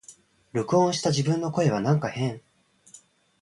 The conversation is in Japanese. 録音した自分の声はなんか変